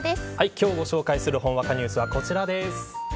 今日ご紹介するほんわかニュースはこちらです。